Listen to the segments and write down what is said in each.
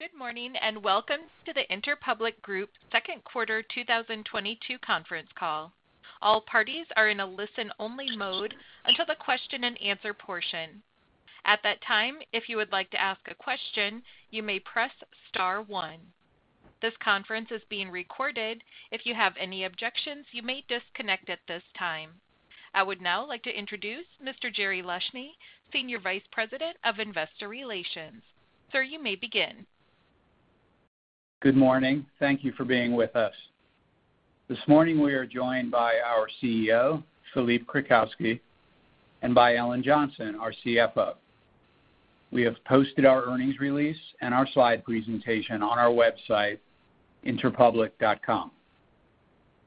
Good morning, and welcome to the Interpublic Group Q2 2022 conference call. All parties are in a listen-only mode until the question-and-answer portion. At that time, if you would like to ask a question, you may press star one. This conference is being recorded. If you have any objections, you may disconnect at this time. I would now like to introduce Mr. Jerry Leshne, Senior Vice President of Investor Relations. Sir, you may begin. Good morning. Thank you for being with us. This morning, we are joined by our CEO, Philippe Krakowsky, and by Ellen Johnson, our CFO. We have posted our earnings release and our slide presentation on our website, interpublic.com.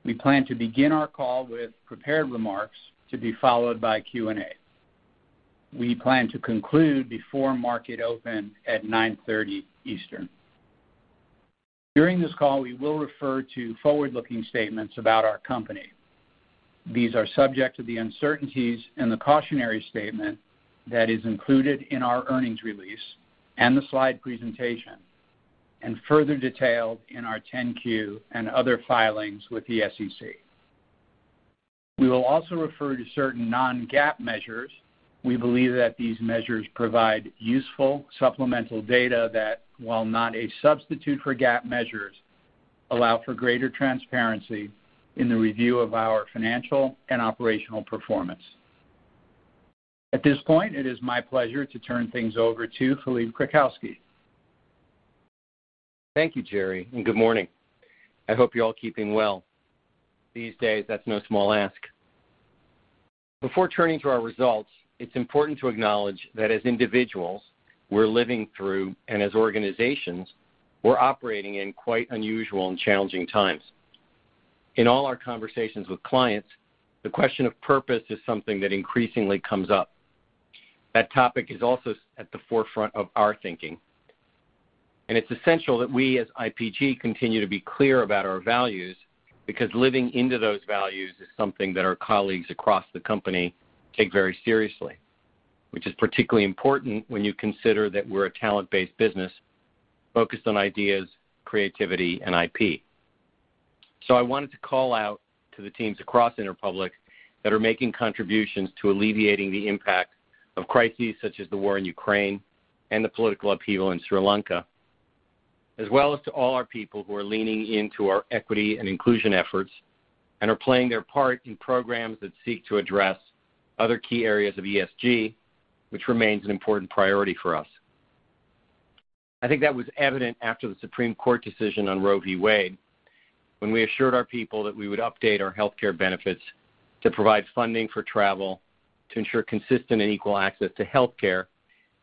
We plan to begin our call with prepared remarks to be followed by Q&A. We plan to conclude before market open at 9:30 A.M. eastern. During this call, we will refer to forward-looking statements about our company. These are subject to the uncertainties and the cautionary statement that is included in our earnings release and the slide presentation, and further detailed in our 10-Q and other filings with the SEC. We will also refer to certain non-GAAP measures. We believe that these measures provide useful supplemental data that, while not a substitute for GAAP measures, allow for greater transparency in the review of our financial and operational performance. At this point, it is my pleasure to turn things over to Philippe Krakowsky. Thank you, Jerry, and good morning. I hope you're all keeping well. These days, that's no small ask. Before turning to our results, it's important to acknowledge that as individuals we're living through, and as organizations we're operating in quite unusual and challenging times. In all our conversations with clients, the question of purpose is something that increasingly comes up. That topic is also at the forefront of our thinking, and it's essential that we as IPG continue to be clear about our values, because living into those values is something that our colleagues across the company take very seriously, which is particularly important when you consider that we're a talent-based business focused on ideas, creativity, and IP. I wanted to call out to the teams across Interpublic that are making contributions to alleviating the impact of crises such as the war in Ukraine and the political upheaval in Sri Lanka, as well as to all our people who are leaning into our equity and inclusion efforts and are playing their part in programs that seek to address other key areas of ESG, which remains an important priority for us. I think that was evident after the Supreme Court decision on Roe v. Wade, when we assured our people that we would update our healthcare benefits to provide funding for travel to ensure consistent and equal access to healthcare,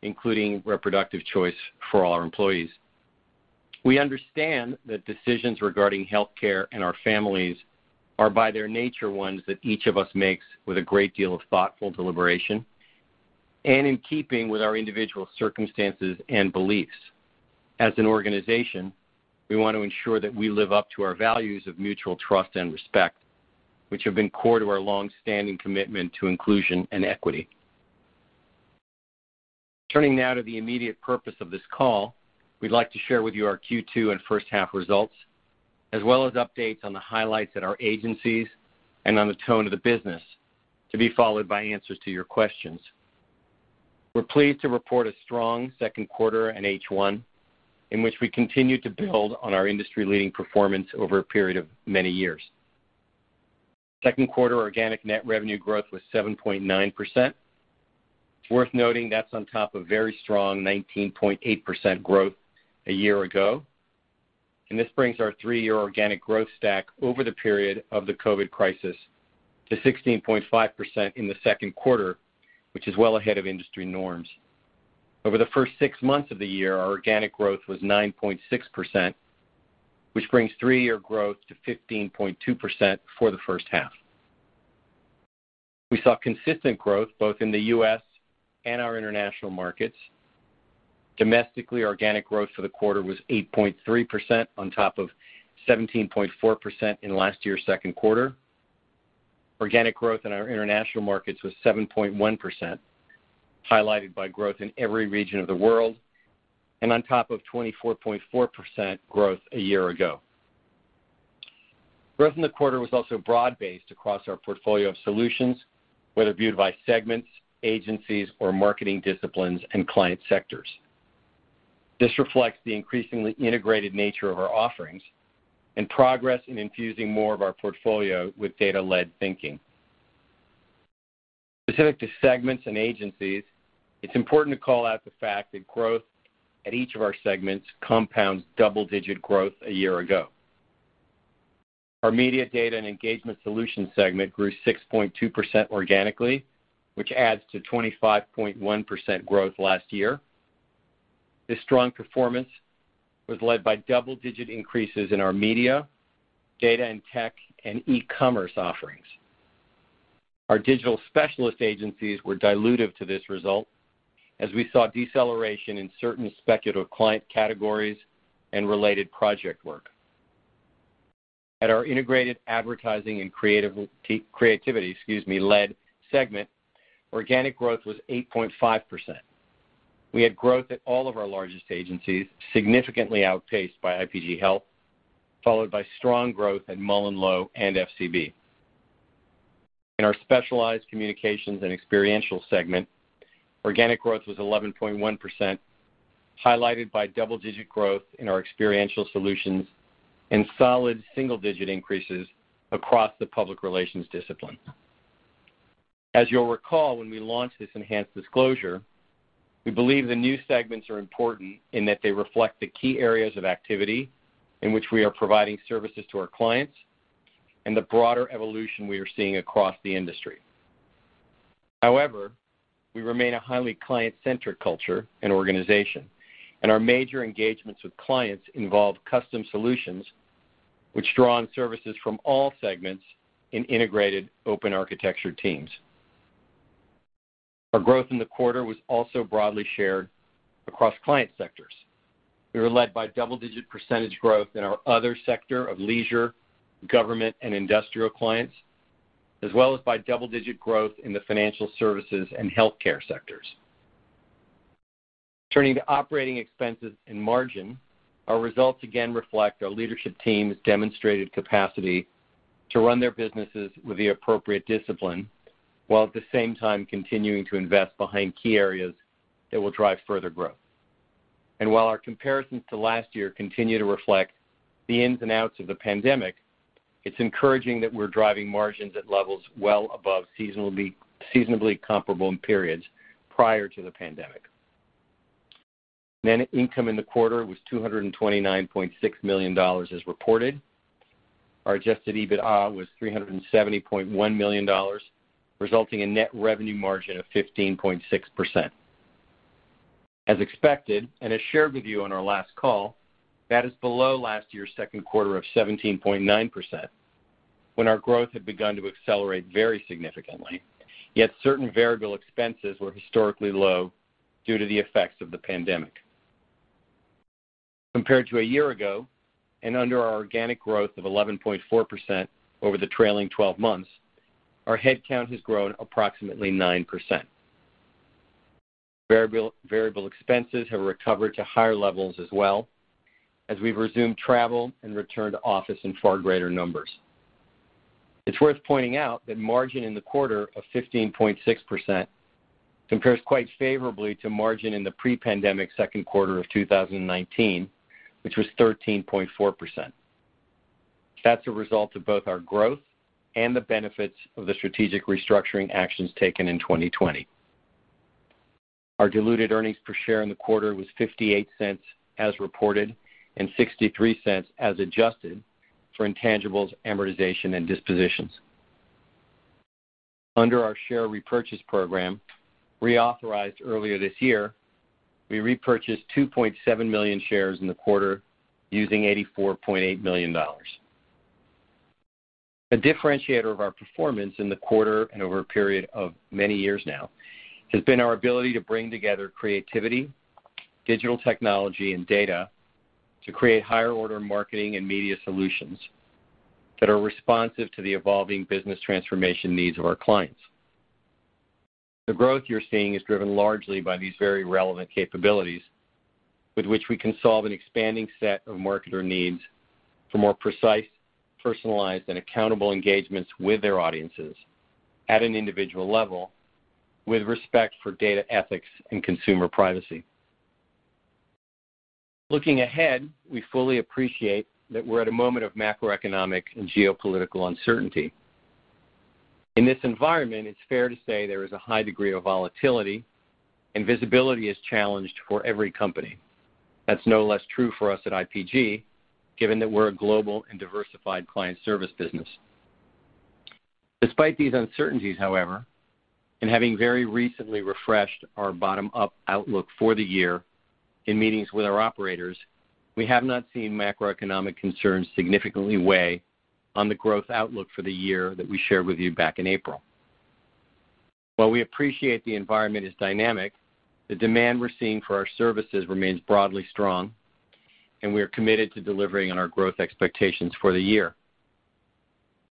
including reproductive choice for all our employees. We understand that decisions regarding healthcare and our families are by their nature ones that each of us makes with a great deal of thoughtful deliberation and in keeping with our individual circumstances and beliefs. As an organization, we want to ensure that we live up to our values of mutual trust and respect, which have been core to our long-standing commitment to inclusion and equity. Turning now to the immediate purpose of this call, we'd like to share with you our Q2 and H1 results, as well as updates on the highlights at our agencies and on the tone of the business, to be followed by answers to your questions. We're pleased to report a strong Q2 and H1 in which we continue to build on our industry-leading performance over a period of many years. Q2 organic net revenue growth was 7.9%. It's worth noting that's on top of very strong 19.8% growth a year ago. This brings our three-year organic growth stack over the period of the COVID crisis to 16.5% in the Q2, which is well ahead of industry norms. Over the first six months of the year, our organic growth was 9.6%, which brings three-year growth to 15.2% for the H1. We saw consistent growth both in the U.S. and our international markets. Domestically, organic growth for the quarter was 8.3% on top of 17.4% in last year's Q2. Organic growth in our international markets was 7.1%, highlighted by growth in every region of the world, and on top of 24.4% growth a year ago. Growth in the quarter was also broad-based across our portfolio of solutions, whether viewed by segments, agencies, or marketing disciplines and client sectors. This reflects the increasingly integrated nature of our offerings and progress in infusing more of our portfolio with data-led thinking. Specific to segments and agencies, it's important to call out the fact that growth at each of our segments compounds double-digit growth a year ago. Our media data and engagement solutions segment grew 6.2% organically, which adds to 25.1% growth last year. This strong performance was led by double-digit increases in our media, data and tech, and e-commerce offerings. Our digital specialist agencies were dilutive to this result, as we saw deceleration in certain speculative client categories and related project work. At our integrated advertising and creativity-led segment, organic growth was 8.5%. We had growth at all of our largest agencies, significantly outpaced by IPG Health, followed by strong growth at MullenLowe and FCB. In our specialized communications and experiential segment, organic growth was 11.1%, highlighted by double-digit growth in our experiential solutions and solid single-digit increases across the public relations discipline. As you'll recall, when we launched this enhanced disclosure, we believe the new segments are important in that they reflect the key areas of activity in which we are providing services to our clients and the broader evolution we are seeing across the industry. However, we remain a highly client-centric culture and organization, and our major engagements with clients involve custom solutions which draw on services from all segments in integrated open architecture teams. Our growth in the quarter was also broadly shared across client sectors. We were led by double-digit percentage growth in our other sector of leisure, government, and industrial clients, as well as by double-digit growth in the financial services and healthcare sectors. Turning to operating expenses and margin, our results again reflect our leadership team's demonstrated capacity to run their businesses with the appropriate discipline while at the same time continuing to invest behind key areas that will drive further growth. While our comparisons to last year continue to reflect the ins and outs of the pandemic, it's encouraging that we're driving margins at levels well above seasonally comparable in periods prior to the pandemic. Net income in the quarter was $229.6 million as reported. Our Adjusted EBITDA was $370.1 million, resulting in net revenue margin of 15.6%. As expected, and as shared with you on our last call, that is below last year's Q2 of 17.9%, when our growth had begun to accelerate very significantly, yet certain variable expenses were historically low due to the effects of the pandemic. Compared to a year ago, and under our organic growth of 11.4% over the trailing 12 months, our head count has grown approximately 9%. Variable expenses have recovered to higher levels as well as we've resumed travel and returned to office in far greater numbers. It's worth pointing out that margin in the quarter of 15.6% compares quite favorably to margin in the pre-pandemic Q2 of 2019, which was 13.4%. That's a result of both our growth and the benefits of the strategic restructuring actions taken in 2020. Our diluted earnings per share in the quarter was $0.58 as reported and $0.63 as adjusted for intangibles, amortization, and dispositions. Under our share repurchase program, reauthorized earlier this year, we repurchased 2.7 million shares in the quarter using $84.8 million. A differentiator of our performance in the quarter and over a period of many years now, has been our ability to bring together creativity, digital technology and data to create higher order marketing and media solutions that are responsive to the evolving business transformation needs of our clients. The growth you're seeing is driven largely by these very relevant capabilities with which we can solve an expanding set of marketer needs for more precise, personalized, and accountable engagements with their audiences at an individual level with respect for data ethics and consumer privacy. Looking ahead, we fully appreciate that we're at a moment of macroeconomic and geopolitical uncertainty. In this environment, it's fair to say there is a high degree of volatility and visibility is challenged for every company. That's no less true for us at IPG, given that we're a global and diversified client service business. Despite these uncertainties, however, and having very recently refreshed our bottom-up outlook for the year in meetings with our operators, we have not seen macroeconomic concerns significantly weigh on the growth outlook for the year that we shared with you back in April. While we appreciate the environment is dynamic, the demand we're seeing for our services remains broadly strong, and we are committed to delivering on our growth expectations for the year.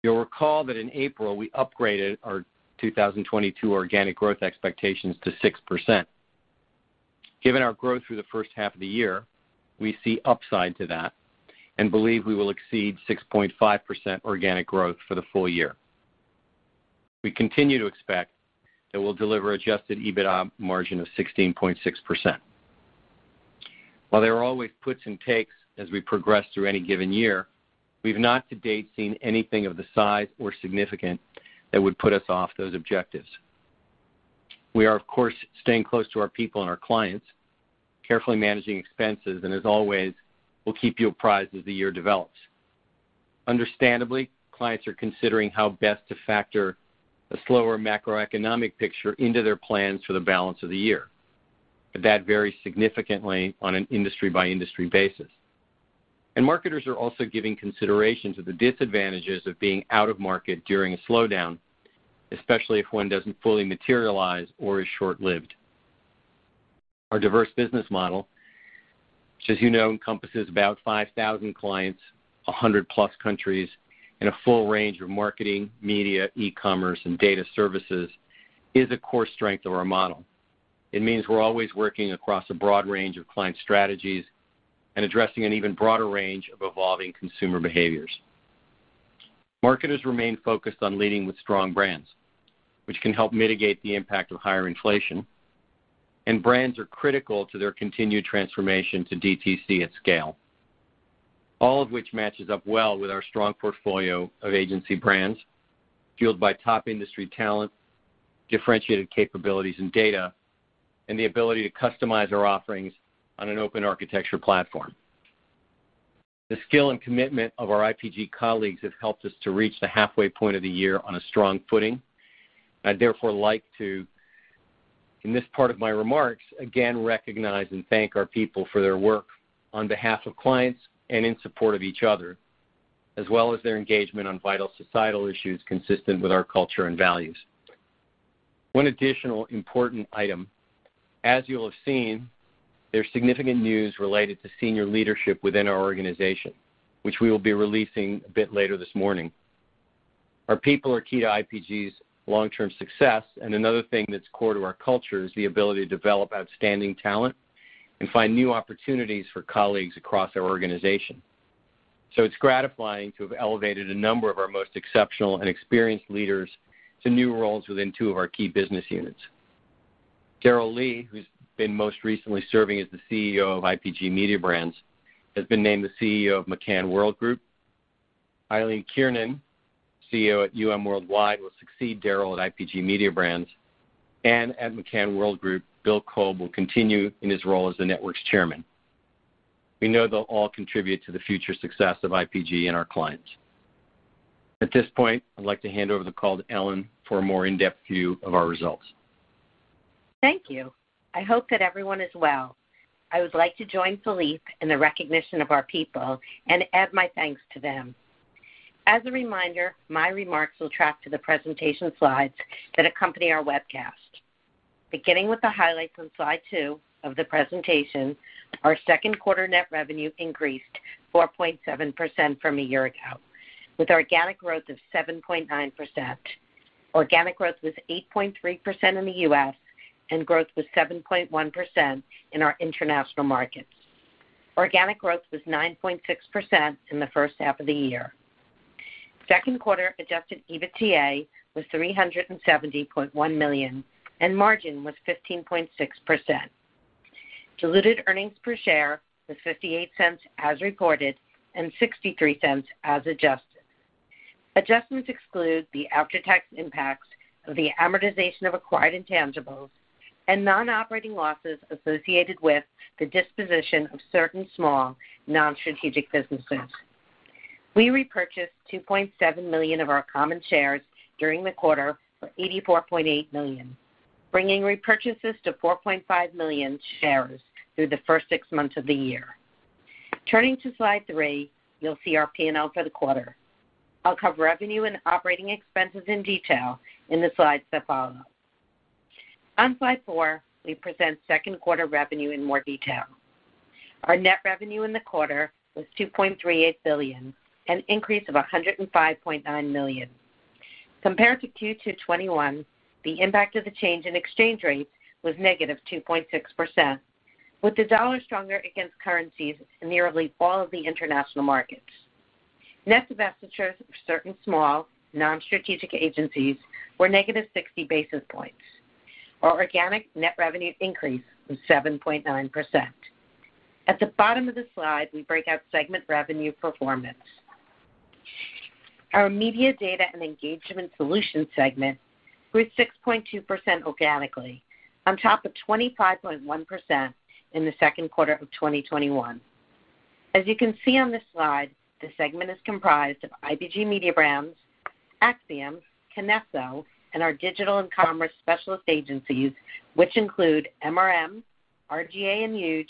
You'll recall that in April, we upgraded our 2022 organic growth expectations to 6%. Given our growth through the H1 of the year, we see upside to that and believe we will exceed 6.5% organic growth for the full year. We continue to expect that we'll deliver Adjusted EBITDA margin of 16.6%. While there are always puts and takes as we progress through any given year, we've not to date seen anything of the size or significant that would put us off those objectives. We are, of course, staying close to our people and our clients, carefully managing expenses, and as always, we'll keep you apprised as the year develops. Understandably, clients are considering how best to factor a slower macroeconomic picture into their plans for the balance of the year. That varies significantly on an industry-by-industry basis. Marketers are also giving considerations of the disadvantages of being out of market during a slowdown, especially if one doesn't fully materialize or is short-lived. Our diverse business model, which, as you know, encompasses about 5,000 clients, 100+ countries, and a full range of marketing, media, e-commerce, and data services, is a core strength of our model. It means we're always working across a broad range of client strategies and addressing an even broader range of evolving consumer behaviors. Marketers remain focused on leading with strong brands, which can help mitigate the impact of higher inflation. Brands are critical to their continued transformation to DTC at scale. All of which matches up well with our strong portfolio of agency brands fueled by top industry talent, differentiated capabilities and data, and the ability to customize our offerings on an open architecture platform. The skill and commitment of our IPG colleagues have helped us to reach the halfway point of the year on a strong footing. I'd therefore like to, in this part of my remarks, again recognize and thank our people for their work on behalf of clients and in support of each other, as well as their engagement on vital societal issues consistent with our culture and values. One additional important item. As you will have seen, there's significant news related to senior leadership within our organization, which we will be releasing a bit later this morning. Our people are key to IPG's long-term success, and another thing that's core to our culture is the ability to develop outstanding talent and find new opportunities for colleagues across our organization. It's gratifying to have elevated a number of our most exceptional and experienced leaders to new roles within two of our key business units. Daryl Lee, who's been most recently serving as the CEO of IPG Mediabrands, has been named the CEO of McCann Worldgroup. Eileen Kiernan, CEO at UM Worldwide, will succeed Daryl at IPG Mediabrands. At McCann Worldgroup, Bill Kolb will continue in his role as the network's chairman. We know they'll all contribute to the future success of IPG and our clients. At this point, I'd like to hand over the call to Ellen for a more in-depth view of our results. Thank you. I hope that everyone is well. I would like to join Philippe in the recognition of our people and add my thanks to them. As a reminder, my remarks will track to the presentation slides that accompany our webcast. Beginning with the highlights on slide two of the presentation, our Q2 net revenue increased 4.7% from a year ago, with organic growth of 7.9%. Organic growth was 8.3% in the U.S., and growth was 7.1% in our international markets. Organic growth was 9.6% in the first half of the year. Q2 adjusted EBITDA was $370.1 million, and margin was 15.6%. Diluted earnings per share was $0.58 as reported and $0.63 as adjusted. Adjustments exclude the after-tax impacts of the amortization of acquired intangibles and non-operating losses associated with the disposition of certain small non-strategic businesses. We repurchased 2.7 million of our common shares during the quarter for $84.8 million, bringing repurchases to 4.5 million shares through the first six months of the year. Turning to slide three, you'll see our P&L for the quarter. I'll cover revenue and operating expenses in detail in the slides that follow. On slide four, we present Q2 revenue in more detail. Our net revenue in the quarter was $2.38 billion, an increase of $105.9 million. Compared to Q2 2021, the impact of the change in exchange rates was -2.6%, with the dollar stronger against currencies in nearly all of the international markets. Net divestitures of certain small non-strategic agencies were negative 60 basis points. Our organic net revenue increase was 7.9%. At the bottom of the slide, we break out segment revenue performance. Our media data and engagement solutions segment grew 6.2% organically, on top of 25.1% in the Q2 of 2021. As you can see on this slide, the segment is comprised of IPG Mediabrands, Acxiom, Kinesso, and our digital and commerce specialist agencies, which include MRM, R/GA and Huge.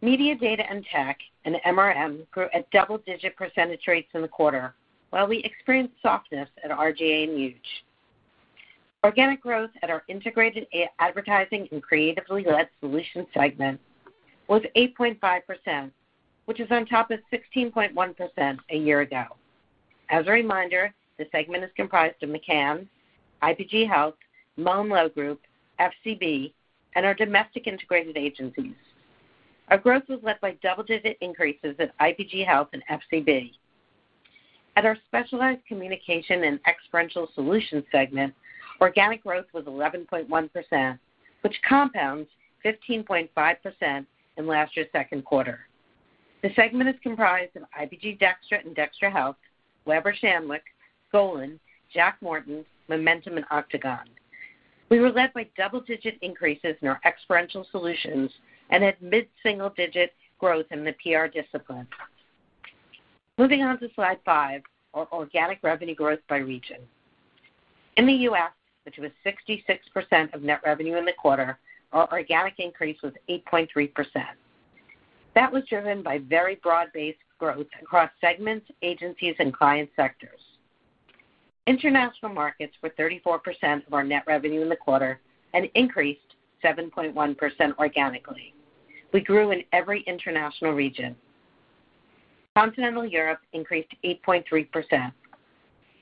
Media Data and Tech and MRM grew at double-digit percentage rates in the quarter, while we experienced softness at R/GA and Huge. Organic growth at our integrated advertising and creatively led solutions segment was 8.5%, which is on top of 16.1% a year ago. As a reminder, this segment is comprised of McCann, IPG Health, MullenLowe Group, FCB, and our domestic integrated agencies. Our growth was led by double-digit increases at IPG Health and FCB. At our specialized communication and experiential solutions segment, organic growth was 11.1%, which compounds 15.5% in last year's Q2. The segment is comprised of IPG DXTRA and DXTRA Health, Weber Shandwick, Golin, Jack Morton, Momentum, and Octagon. We were led by double-digit increases in our experiential solutions and had mid-single digit growth in the PR discipline. Moving on to slide five, our organic revenue growth by region. In the U.S., which was 66% of net revenue in the quarter, our organic increase was 8.3%. That was driven by very broad-based growth across segments, agencies, and client sectors. International markets were 34% of our net revenue in the quarter and increased 7.1% organically. We grew in every international region. Continental Europe increased 8.3%.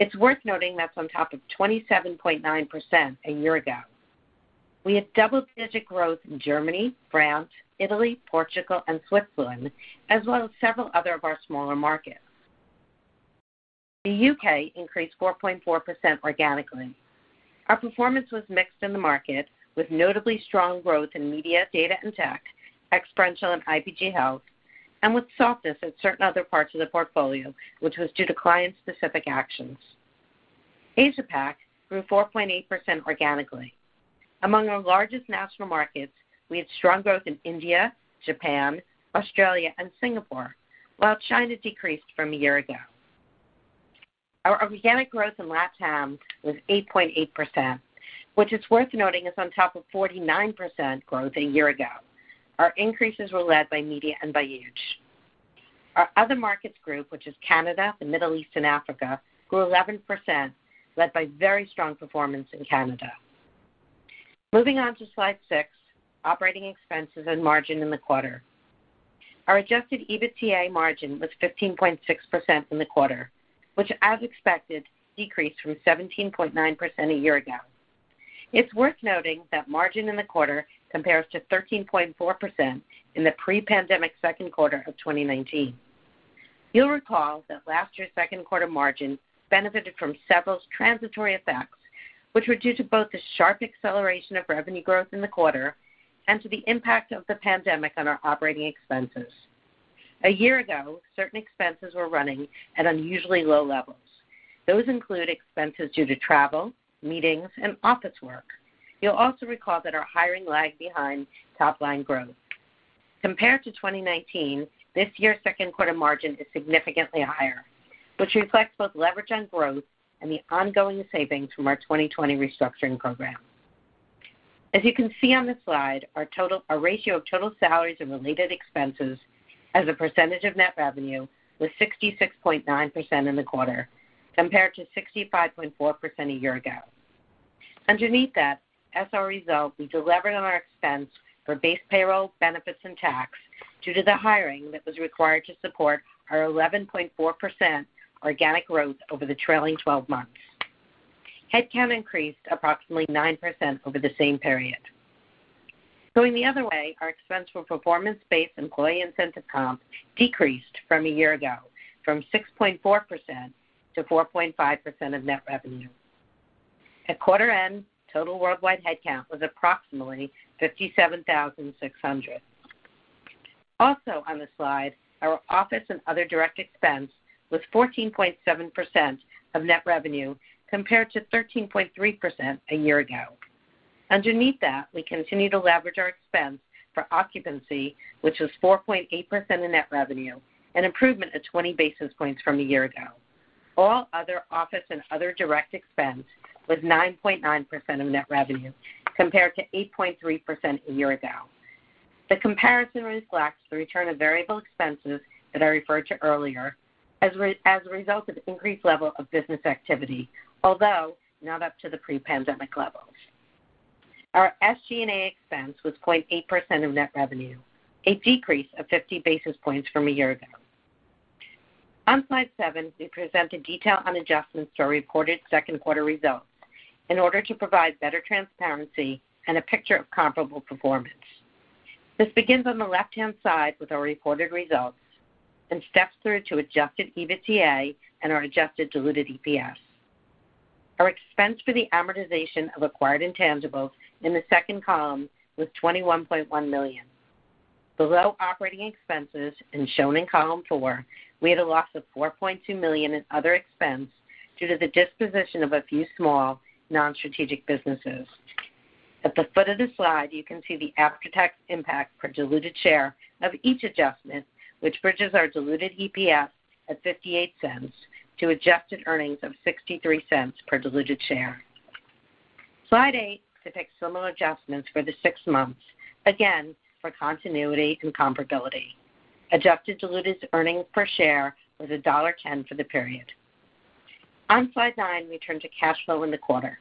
It's worth noting that's on top of 27.9% a year ago. We had double-digit growth in Germany, France, Italy, Portugal, and Switzerland, as well as several other of our smaller markets. The U.K. increased 4.4% organically. Our performance was mixed in the market, with notably strong growth in media, data and tech, experiential and IPG Health, and with softness at certain other parts of the portfolio, which was due to client-specific actions. Asia Pac grew 4.8% organically. Among our largest national markets, we had strong growth in India, Japan, Australia, and Singapore while China decreased from a year ago. Our organic growth in LatAm was 8.8%, which is worth noting is on top of 49% growth a year ago. Our increases were led by media and by Huge. Our other markets group, which is Canada, the Middle East, and Africa, grew 11%, led by very strong performance in Canada. Moving on to Slide six, operating expenses and margin in the quarter. Our Adjusted EBITDA margin was 15.6% in the quarter, which, as expected, decreased from 17.9% a year ago. It's worth noting that margin in the quarter compares to 13.4% in the pre-pandemic Q2 of 2019. You'll recall that last year's Q2 margin benefited from several transitory effects, which were due to both the sharp acceleration of revenue growth in the quarter and to the impact of the pandemic on our operating expenses. A year ago, certain expenses were running at unusually low levels. Those include expenses due to travel, meetings, and office work. You'll also recall that our hiring lagged behind top-line growth. Compared to 2019, this year's Q2 margin is significantly higher, which reflects both leverage and growth and the ongoing savings from our 2020 restructuring program. As you can see on the slide, our ratio of total salaries and related expenses as a percentage of net revenue was 66.9% in the quarter, compared to 65.4% a year ago. Underneath that, as a result, we delivered on our expense for base payroll, benefits, and tax due to the hiring that was required to support our 11.4% organic growth over the trailing 12 months. Headcount increased approximately 9% over the same period. Going the other way, our expense for performance-based employee incentive comp decreased from a year ago from 6.4%-4.5% of net revenue. At quarter end, total worldwide headcount was approximately 57,600. Also on the slide, our office and other direct expense was 14.7% of net revenue, compared to 13.3% a year ago. Underneath that, we continue to leverage our expense for occupancy, which was 4.8% of net revenue, an improvement of 20 basis points from a year ago. All other office and other direct expense was 9.9% of net revenue, compared to 8.3% a year ago. The comparison reflects the return of variable expenses that I referred to earlier as a result of increased level of business activity, although not up to the pre-pandemic levels. Our SG&A expense was 0.8% of net revenue, a decrease of 50 basis points from a year ago. On slide seven, we present the detail on adjustments to our reported Q2 results in order to provide better transparency and a picture of comparable performance. This begins on the left-hand side with our reported results and steps through to adjusted EBITDA and our adjusted diluted EPS. Our expense for the amortization of acquired intangibles in the second column was $21.1 million. Below operating expenses and shown in column four, we had a loss of $4.2 million in other expense due to the disposition of a few small non-strategic businesses. At the foot of the slide, you can see the after-tax impact per diluted share of each adjustment, which bridges our diluted EPS at $0.58 to adjusted earnings of $0.63 per diluted share. Slide eight depicts similar adjustments for the six months, again, for continuity and comparability. Adjusted diluted earnings per share was $1.10 for the period. On slide nine, we turn to cash flow in the quarter.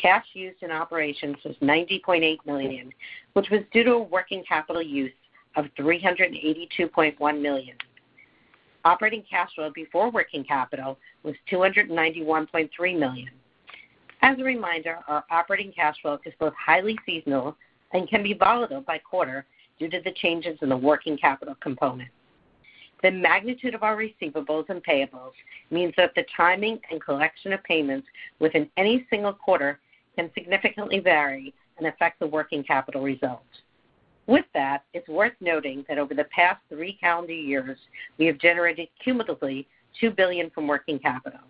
Cash used in operations was $90.8 million, which was due to a working capital use of $382.1 million. Operating cash flow before working capital was $291.3 million. As a reminder, our operating cash flow is both highly seasonal and can be volatile by quarter due to the changes in the working capital component. The magnitude of our receivables and payables means that the timing and collection of payments within any single quarter can significantly vary and affect the working capital results. With that, it's worth noting that over the past three calendar years, we have generated cumulatively $2 billion from working capital,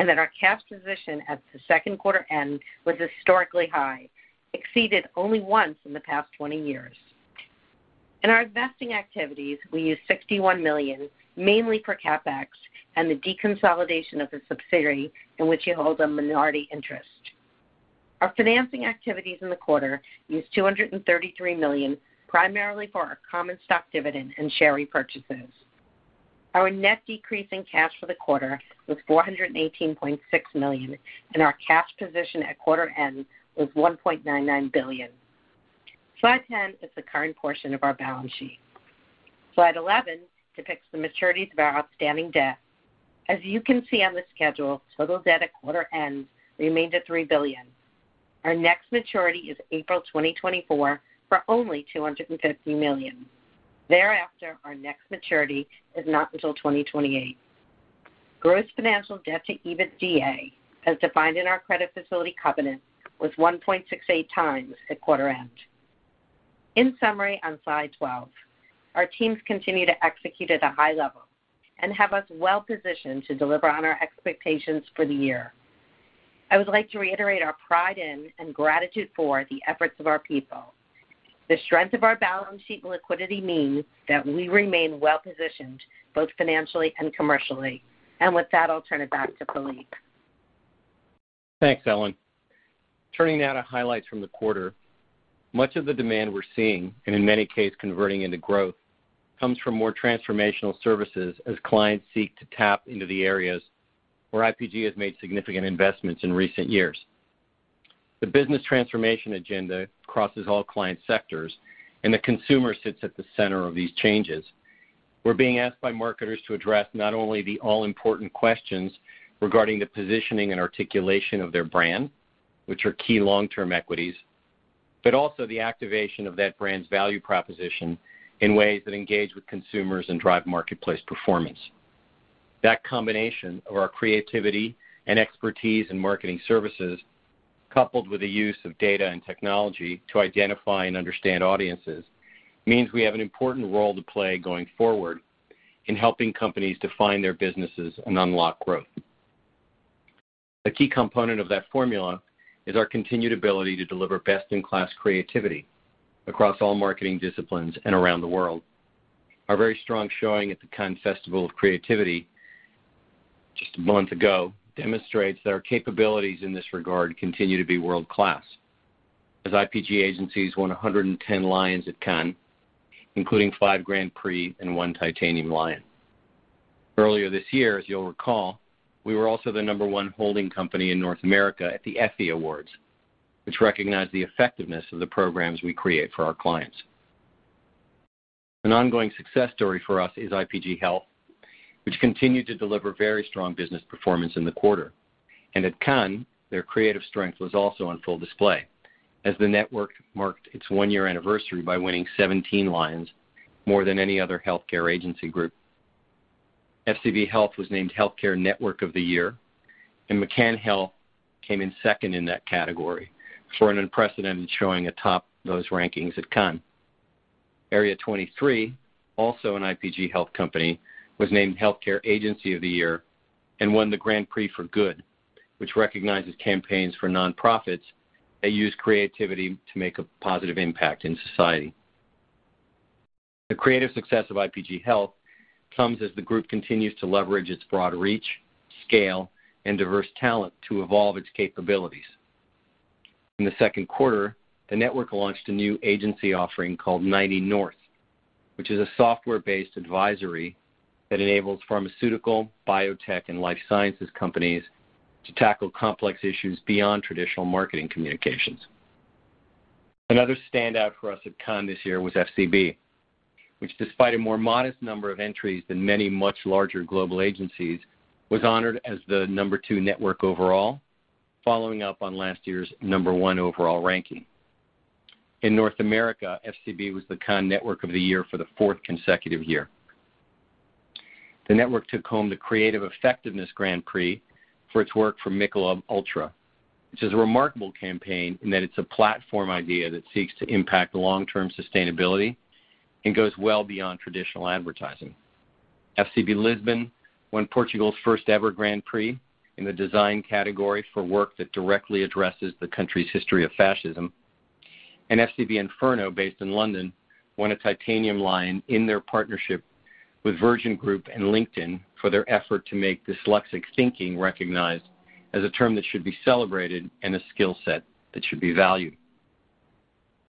and that our cash position at the Q2 end was historically high, exceeded only once in the past 20 years. In our investing activities, we used $61 million, mainly for CapEx, and the deconsolidation of a subsidiary in which we hold a minority interest. Our financing activities in the quarter used $233 million, primarily for our common stock dividend and share repurchases. Our net decrease in cash for the quarter was $418.6 million, and our cash position at quarter end was $1.99 billion. Slide 10 is the current portion of our balance sheet. Slide 11 depicts the maturities of our outstanding debt. As you can see on the schedule, total debt at quarter end remained at $3 billion. Our next maturity is April 2024 for only $250 million. Thereafter, our next maturity is not until 2028. Gross financial debt to EBITDA, as defined in our credit facility covenant, was 1.68x at quarter end. In summary, on slide 12, our teams continue to execute at a high level and have us well positioned to deliver on our expectations for the year. I would like to reiterate our pride in and gratitude for the efforts of our people. The strength of our balance sheet and liquidity means that we remain well-positioned both financially and commercially. With that, I'll turn it back to Philippe. Thanks, Ellen. Turning now to highlights from the quarter. Much of the demand we're seeing, and in many cases, converting into growth, comes from more transformational services as clients seek to tap into the areas where IPG has made significant investments in recent years. The business transformation agenda crosses all client sectors, and the consumer sits at the center of these changes. We're being asked by marketers to address not only the all-important questions regarding the positioning and articulation of their brand, which are key long-term equities, but also the activation of that brand's value proposition in ways that engage with consumers and drive marketplace performance. That combination of our creativity and expertise in marketing services, coupled with the use of data and technology to identify and understand audiences, means we have an important role to play going forward in helping companies define their businesses and unlock growth. A key component of that formula is our continued ability to deliver best-in-class creativity across all marketing disciplines and around the world. Our very strong showing at the Cannes Festival of Creativity just a month ago demonstrates that our capabilities in this regard continue to be world-class, as IPG agencies won 110 Lions at Cannes, including five Grand Prix and one Titanium Lion. Earlier this year, as you'll recall, we were also the number one holding company in North America at the Effie Awards, which recognized the effectiveness of the programs we create for our clients. An ongoing success story for us is IPG Health, which continued to deliver very strong business performance in the quarter. At Cannes, their creative strength was also on full display as the network marked its one-year anniversary by winning 17 Lions, more than any other healthcare agency group. FCB Health was named Healthcare Network of the Year, and McCann Health came in second in that category for an unprecedented showing atop those rankings at Cannes. Area 23, also an IPG Health company, was named Healthcare Agency of the Year and won the Grand Prix for Good, which recognizes campaigns for nonprofits that use creativity to make a positive impact in society. The creative success of IPG Health comes as the group continues to leverage its broad reach, scale, and diverse talent to evolve its capabilities. In the Q2, the network launched a new agency offering called 90NORTH, which is a software-based advisory that enables pharmaceutical, biotech, and life sciences companies to tackle complex issues beyond traditional marketing communications. Another standout for us at Cannes this year was FCB, which despite a more modest number of entries than many much larger global agencies, was honored as the number two network overall, following up on last year's number one overall ranking. In North America, FCB was the Cannes Network of the Year for the fourth consecutive year. The network took home the Creative Effectiveness Grand Prix for its work for Michelob ULTRA, which is a remarkable campaign in that it's a platform idea that seeks to impact long-term sustainability and goes well beyond traditional advertising. FCB Lisboa won Portugal's first ever Grand Prix in the design category for work that directly addresses the country's history of fascism. FCB Inferno, based in London, won a Titanium Lion in their partnership with Virgin Group and LinkedIn for their effort to make dyslexic thinking recognized as a term that should be celebrated and a skill set that should be valued.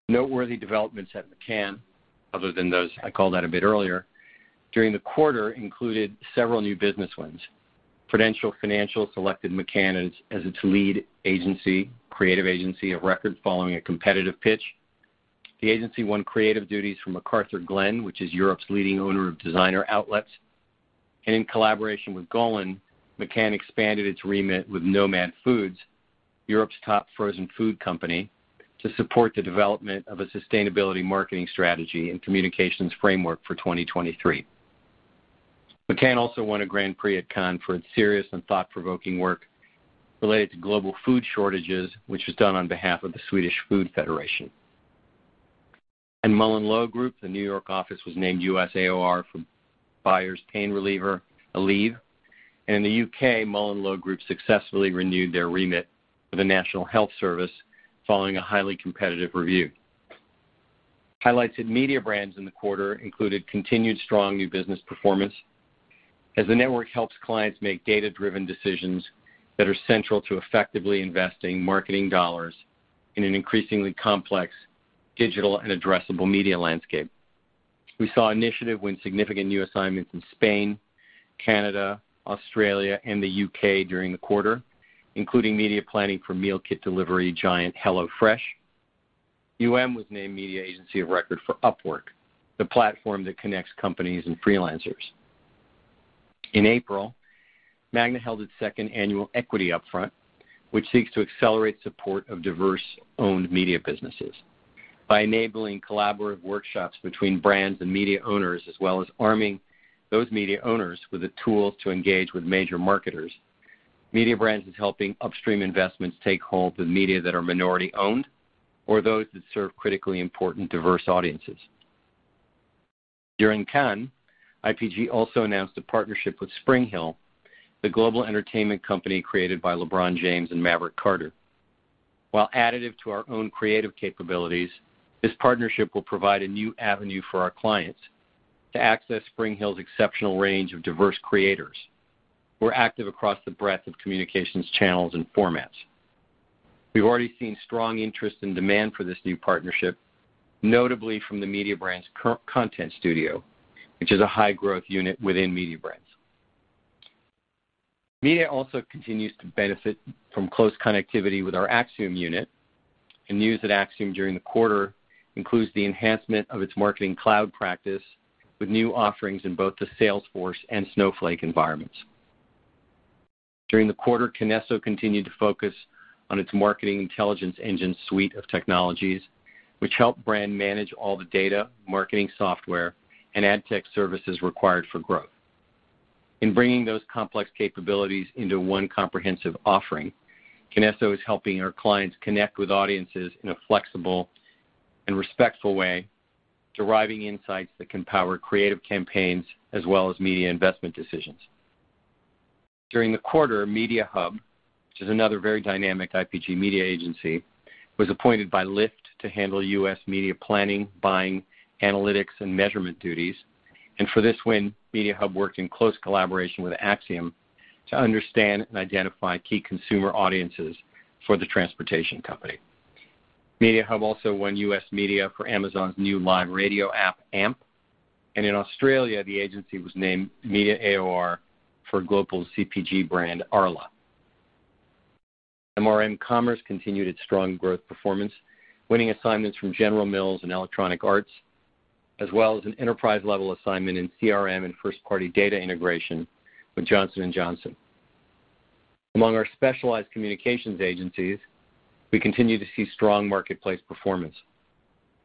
Noteworthy developments at McCann, other than those I called out a bit earlier, during the quarter included several new business wins. Prudential Financial selected McCann as its lead creative agency of record following a competitive pitch. The agency won creative duties from McArthurGlen, which is Europe's leading owner of designer outlets. In collaboration with Golin, McCann expanded its remit with Nomad Foods, Europe's top frozen food company, to support the development of a sustainability marketing strategy and communications framework for 2023. McCann also won a Grand Prix at Cannes for its serious and thought-provoking work related to global food shortages, which was done on behalf of the Swedish Food Federation. MullenLowe Group, the New York office, was named U.S. AOR for Bayer's pain reliever, Aleve. In the U.K., MullenLowe Group successfully renewed their remit for the National Health Service following a highly competitive review. Highlights in Mediabrands in the quarter included continued strong new business performance as the network helps clients make data-driven decisions that are central to effectively investing marketing dollars in an increasingly complex digital and addressable media landscape. We saw Initiative win significant new assignments in Spain, Canada, Australia, and the U.K. during the quarter, including media planning for meal kit delivery giant, HelloFresh. UM was named media agency of record for Upwork, the platform that connects companies and freelancers. In April, Magna held its second annual Equity Upfront, which seeks to accelerate support of diverse-owned media businesses. By enabling collaborative workshops between brands and media owners, as well as arming those media owners with the tools to engage with major marketers, Mediabrands is helping upstream investments take hold with media that are minority-owned or those that serve critically important diverse audiences. During Cannes, IPG also announced a partnership with SpringHill, the global entertainment company created by LeBron James and Maverick Carter. While additive to our own creative capabilities, this partnership will provide a new avenue for our clients to access SpringHill's exceptional range of diverse creators who are active across the breadth of communications channels and formats. We've already seen strong interest and demand for this new partnership, notably from the Mediabrands Content Studio, which is a high-growth unit within Mediabrands. Media also continues to benefit from close connectivity with our Acxiom unit, and news at Acxiom during the quarter includes the enhancement of its marketing cloud practice with new offerings in both the Salesforce and Snowflake environments. During the quarter, Kinesso continued to focus on its marketing intelligence engine suite of technologies, which helps brands manage all the data, marketing software, and ad tech services required for growth. In bringing those complex capabilities into one comprehensive offering, Kinesso is helping our clients connect with audiences in a flexible and respectful way, deriving insights that can power creative campaigns as well as media investment decisions. During the quarter, MediaHub, which is another very dynamic IPG media agency, was appointed by Lyft to handle U.S. media planning, buying, analytics, and measurement duties. For this win, MediaHub worked in close collaboration with Acxiom to understand and identify key consumer audiences for the transportation company. MediaHub also won U.S. media for Amazon's new live radio app, Amp. In Australia, the agency was named media AOR for global CPG brand, Arla. MRM Commerce continued its strong growth performance, winning assignments from General Mills and Electronic Arts, as well as an enterprise-level assignment in CRM and first-party data integration with Johnson & Johnson. Among our specialized communications agencies, we continue to see strong marketplace performance.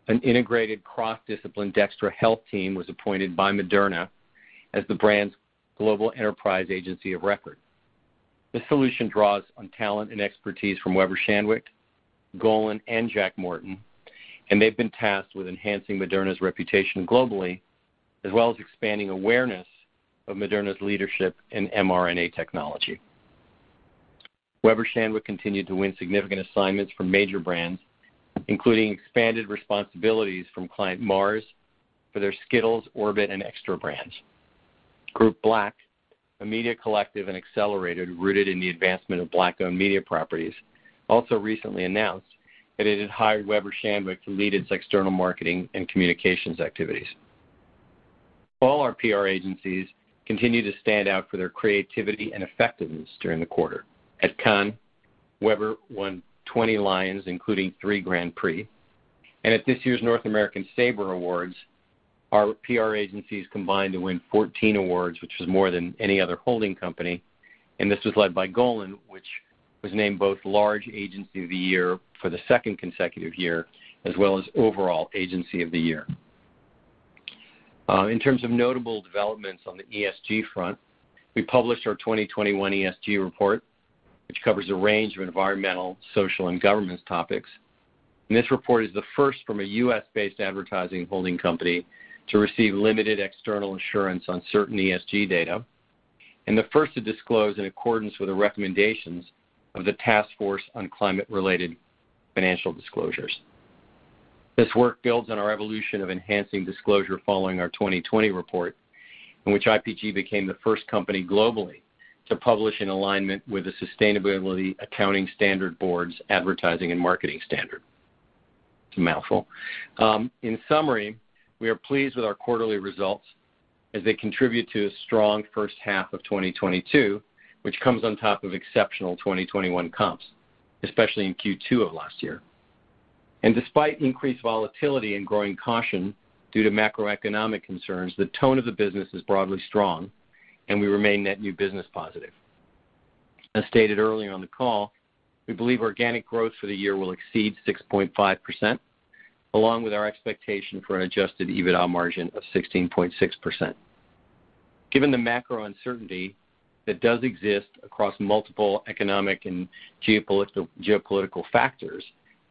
An integrated cross-discipline DXTRA Health team was appointed by Moderna as the brand's global enterprise agency of record. This solution draws on talent and expertise from Weber Shandwick, Golin, and Jack Morton, and they've been tasked with enhancing Moderna's reputation globally, as well as expanding awareness of Moderna's leadership in mRNA technology. Weber Shandwick continued to win significant assignments from major brands, including expanded responsibilities from client Mars for their Skittles, Orbit, and Extra brands. Group Black, a media collective and accelerator rooted in the advancement of Black-owned media properties, also recently announced that it had hired Weber Shandwick to lead its external marketing and communications activities. All our PR agencies continue to stand out for their creativity and effectiveness during the quarter. At Cannes, Weber won 20 Lions, including three Grand Prix. At this year's North American SABRE Awards, our PR agencies combined to win 14 awards, which was more than any other holding company, and this was led by Golin, which was named both Large Agency of the Year for the second consecutive year, as well as Overall Agency of the Year. In terms of notable developments on the ESG front, we published our 2021 ESG report, which covers a range of environmental, social, and governance topics. This report is the first from a U.S.-based advertising holding company to receive limited external assurance on certain ESG data and the first to disclose in accordance with the recommendations of the Task Force on Climate-related Financial Disclosures. This work builds on our evolution of enhancing disclosure following our 2020 report, in which IPG became the first company globally to publish in alignment with the Sustainability Accounting Standards Board's advertising and marketing standard. It's a mouthful. In summary, we are pleased with our quarterly results as they contribute to a strong H1 of 2022, which comes on top of exceptional 2021 comps, especially in Q2 of last year. Despite increased volatility and growing caution due to macroeconomic concerns, the tone of the business is broadly strong, and we remain net new business positive. As stated earlier on the call, we believe organic growth for the year will exceed 6.5%, along with our expectation for an adjusted EBITDA margin of 16.6%. Given the macro uncertainty that does exist across multiple economic and geopolitical factors,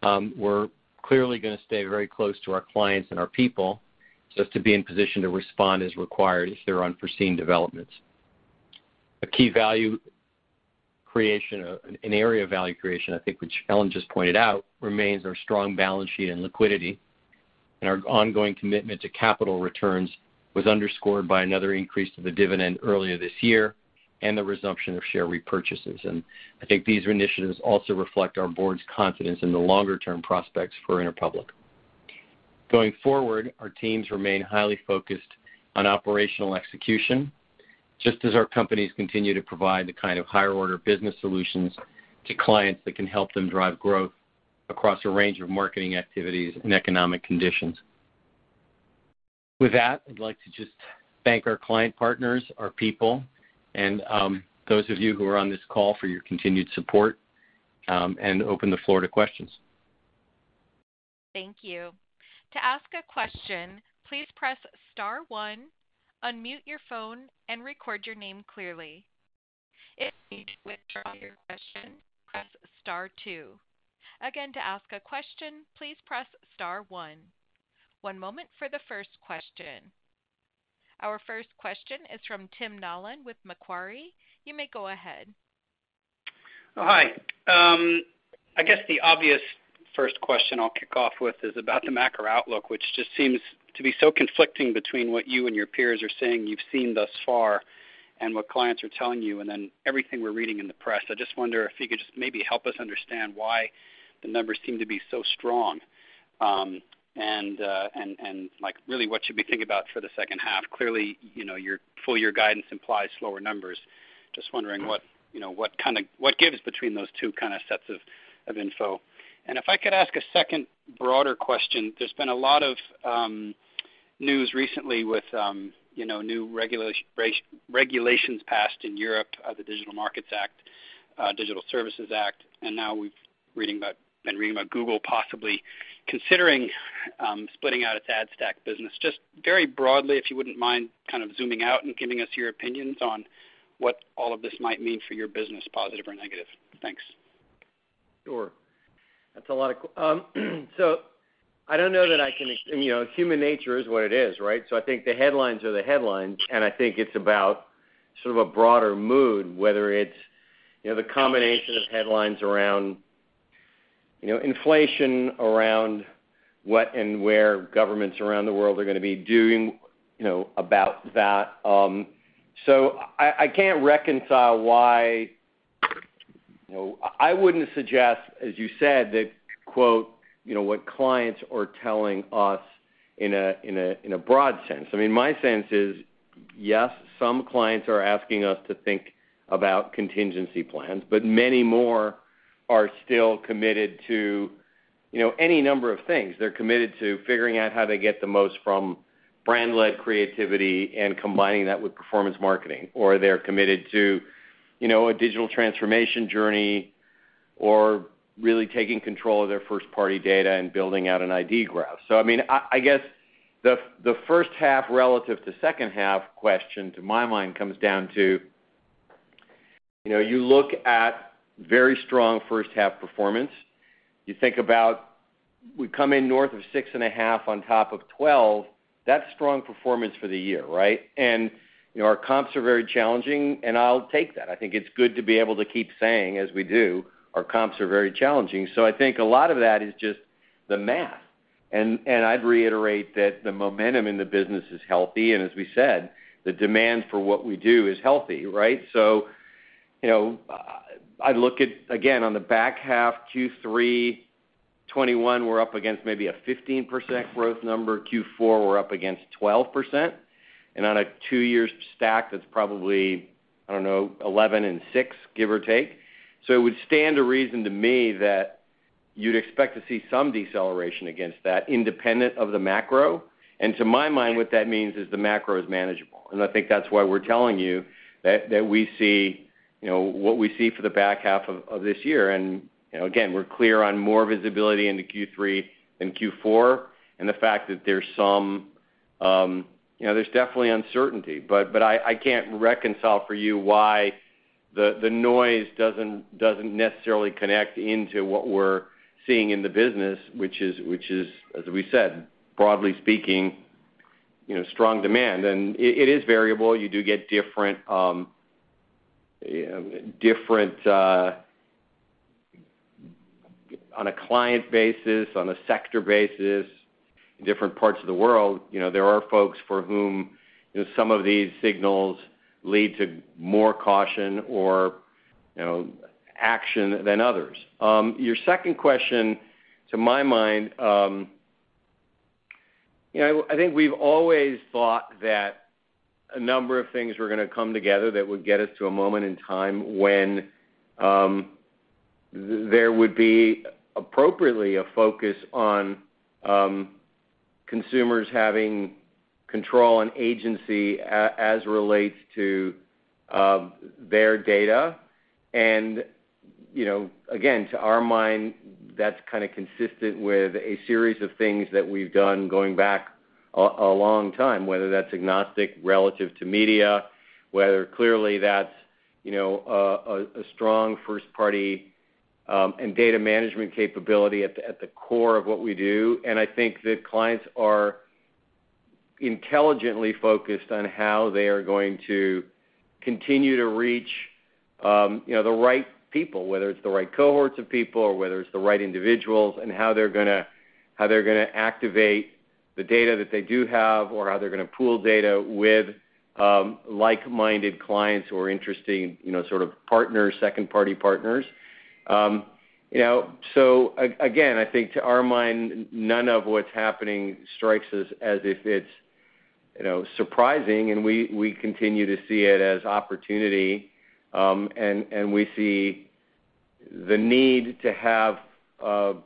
we're clearly gonna stay very close to our clients and our people so as to be in position to respond as required if there are unforeseen developments. A key area of value creation, I think, which Ellen just pointed out, remains our strong balance sheet and liquidity. Our ongoing commitment to capital returns was underscored by another increase to the dividend earlier this year and the resumption of share repurchases. I think these initiatives also reflect our board's confidence in the longer-term prospects for Interpublic. Going forward, our teams remain highly focused on operational execution, just as our companies continue to provide the kind of higher-order business solutions to clients that can help them drive growth across a range of marketing activities and economic conditions. With that, I'd like to just thank our client partners, our people, and those of you who are on this call for your continued support, and open the floor to questions. Thank you. To ask a question, please press star one, unmute your phone, and record your name clearly. If you need to withdraw your question, press star two. Again, to ask a question, please press star one. One moment for the first question. Our first question is from Tim Nollen with Macquarie. You may go ahead. Hi. I guess the obvious first question I'll kick off with is about the macro outlook, which just seems to be so conflicting between what you and your peers are saying you've seen thus far and what clients are telling you, and then everything we're reading in the press. I just wonder if you could just maybe help us understand why the numbers seem to be so strong, and like really what should we think about for the second half. Clearly, you know, your full year guidance implies slower numbers. Just wondering what, you know, what gives between those two kind of sets of info. If I could ask a second broader question, there's been a lot of news recently with you know, new regulations passed in Europe, the Digital Markets Act, Digital Services Act, and now we've been reading about Google possibly considering splitting out its ad stack business. Just very broadly, if you wouldn't mind kind of zooming out and giving us your opinions on what all of this might mean for your business, positive or negative. Thanks. That's a lot of questions. I don't know that I can, you know, human nature is what it is, right? I think the headlines are the headlines, and I think it's about sort of a broader mood, whether it's, you know, the combination of headlines around, you know, inflation, around what and where governments around the world are gonna be doing, you know, about that. I can't reconcile why, you know. I wouldn't suggest, as you said, that, quote, you know, what clients are telling us in a broad sense. I mean, my sense is, yes, some clients are asking us to think about contingency plans, but many more are still committed to, you know, any number of things. They're committed to figuring out how to get the most from brand-led creativity and combining that with performance marketing, or they're committed to, you know, a digital transformation journey or really taking control of their first-party data and building out an ID graph. I mean, I guess the H1 relative to H2 question, to my mind, comes down to, you know, you look at very strong first half performance. You think about, we come in north of 6.5% on top of 12%. That's strong performance for the year, right? You know, our comps are very challenging, and I'll take that. I think it's good to be able to keep saying, as we do, our comps are very challenging. I think a lot of that is just the math. I'd reiterate that the momentum in the business is healthy, and as we said, the demand for what we do is healthy, right? You know, I'd look at, again, on the back half, Q3 2021, we're up against maybe a 15% growth number. Q4, we're up against 12%. On a two-year stack, that's probably, I don't know, 11 and 6, give or take. It would stand to reason to me that you'd expect to see some deceleration against that independent of the macro. To my mind, what that means is the macro is manageable. I think that's why we're telling you that we see, you know, what we see for the back half of this year. You know, again, we're clear on more visibility into Q3 than Q4 and the fact that there's some, you know, there's definitely uncertainty. I can't reconcile for you why the noise doesn't necessarily connect into what we're seeing in the business, which is, as we said, broadly speaking, you know, strong demand. It is variable. You do get different on a client basis, on a sector basis, different parts of the world, you know, there are folks for whom, you know, some of these signals lead to more caution or, you know, action than others. Your second question, to my mind, you know, I think we've always thought that a number of things were gonna come together that would get us to a moment in time when there would be appropriately a focus on consumers having control and agency as it relates to their data. You know, again, to our mind, that's kind of consistent with a series of things that we've done going back a long time, whether that's agnostic relative to media, whether clearly that's, you know, a strong first-party and data management capability at the core of what we do. I think that clients are intelligently focused on how they are going to continue to reach, you know, the right people, whether it's the right cohorts of people or whether it's the right individuals and how they're gonna activate the data that they do have or how they're gonna pool data with like-minded clients who are interesting, you know, sort of partners, second-party partners. I think to our mind, none of what's happening strikes us as if it's, you know, surprising, and we continue to see it as opportunity, and we see the need to have both